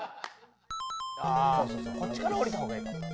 ああこっちから下りた方がええかもな。